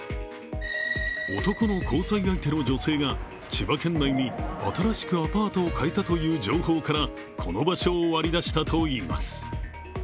男の交際相手の女性が千葉県内に新しくアパートを借りたという情報からこの場所を割り出したといいます。